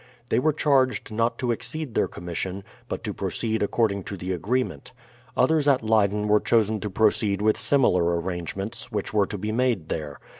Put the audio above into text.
They were charged not to exceed their commission but to proceed ac cording to the agreement. Others at Leyden were chosen to proceed with similar arrangements which were to be made there.